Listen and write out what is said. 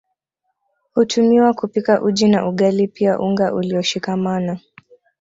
Hutumiwa kupika uji na ugali pia unga ulioshikamana